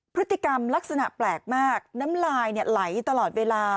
พฤติกรรมลักษณะแปลกมากน้ำลายไหลตลอดเวลา